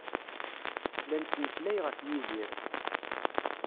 La nettmeslay ɣef Yidir.